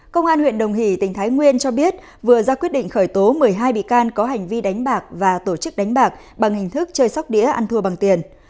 công an huyện đồng hỷ tỉnh thái nguyên cho biết vừa ra quyết định khởi tố một mươi hai bị can có hành vi đánh bạc và tổ chức đánh bạc bằng hình thức chơi sóc đĩa ăn thua bằng tiền